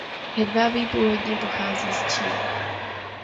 Hedvábí původně pochází z Číny.